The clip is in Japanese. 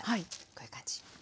こういう感じ。